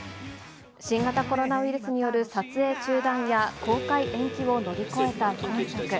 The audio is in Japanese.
新型コロナウイルスによる撮影中断や公開延期を乗り越えた今作。